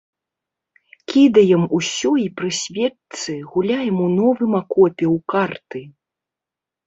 Кідаем усё і пры свечцы гуляем у новым акопе ў карты.